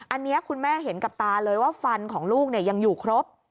อันนี้คุณแม่เห็นกับตาเลยว่าฟันของลูกยังอยู่ครบ